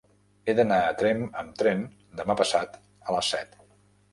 He d'anar a Tremp amb tren demà passat a les set.